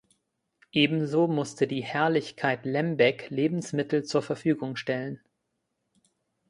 Ebenso musste die Herrlichkeit Lembeck Lebensmittel zur Verfügung stellen.